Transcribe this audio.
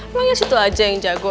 pokoknya situ aja yang jago